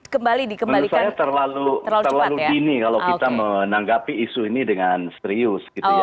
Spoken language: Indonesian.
menurut saya terlalu dini kalau kita menanggapi isu ini dengan serius gitu ya